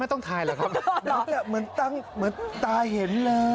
โอ้โห